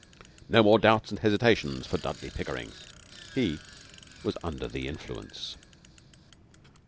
No more doubts and hesitations for Dudley Pickering. He was under the influence.